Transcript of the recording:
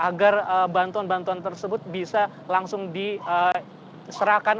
agar bantuan bantuan tersebut bisa langsung diserahkan